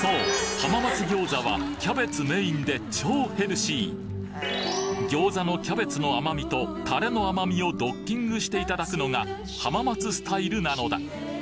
浜松餃子はキャベツメインで超ヘルシー餃子のキャベツの甘みとタレの甘みをドッキングして頂くのが浜松スタイルなのだ！